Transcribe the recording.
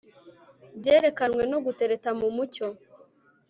byerekanwe no gutereta mu mucyo